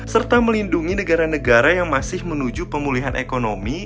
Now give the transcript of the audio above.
serta melindungi negara negara yang masih menuju pemulihan ekonomi